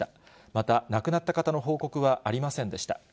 また、亡くなった方の報告はありませんでした。